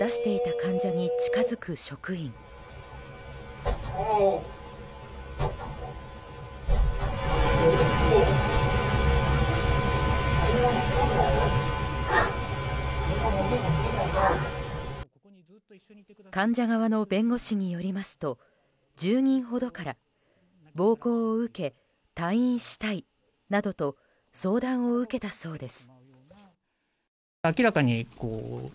患者側の弁護士によりますと１０人ほどから暴行を受け退院したいなどと相談を受けたそうです。